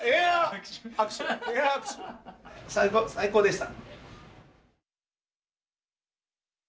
最高最高でした！